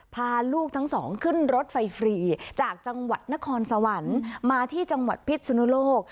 พาลูกทั้งสองขึ้นรถไฟฟรีจากจังหวัดนครสวรรค์มาที่จังหวัดพิษสุนโลก